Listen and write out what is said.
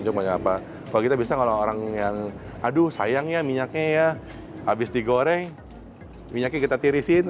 cuma kalau kita bisa kalau orang yang aduh sayang ya minyaknya ya habis digoreng minyaknya kita tirisin